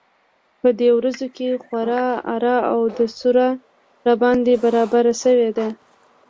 په دې ورځو کې خورا اره و دوسره راباندې برابره شوې ده.